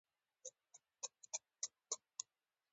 بدخشان د افغانستان د هیوادوالو لپاره ویاړ دی.